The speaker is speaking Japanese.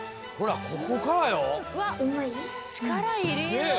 ほらここからよ。